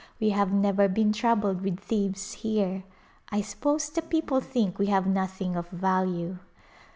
We have never been troubled with thieves here ; I suppose the people think we have nothing of value.